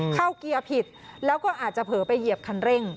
เกียร์ผิดแล้วก็อาจจะเผลอไปเหยียบคันเร่ง